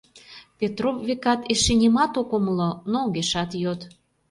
Петроп, векат, эше нимат ок умыло, но огешат йод.